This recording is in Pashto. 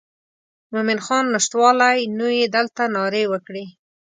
مومن خان نشتوالی نو یې دلته نارې وکړې.